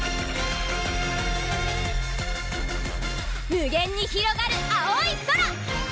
無限にひろがる青い空！